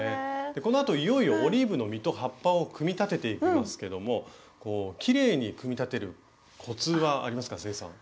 このあといよいよオリーブの実と葉っぱを組み立てていきますけどもきれいに組み立てるコツはありますか清さん。